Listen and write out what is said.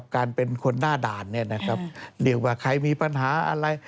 การเป็นคนหน้าด่านเรียกว่าใครมีปัญหาอะไร